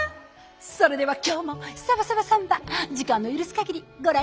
それでは今日も「サバサバサンバ」時間の許す限りご覧下さい。